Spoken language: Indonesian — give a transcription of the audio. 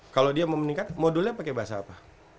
kalau dia mau meningkat modulnya pakai bahasa apa